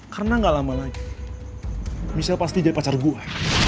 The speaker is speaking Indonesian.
karena gak lama lagi michelle pasti jadi pacar gue